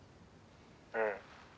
うん。